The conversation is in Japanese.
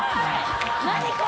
何これ⁉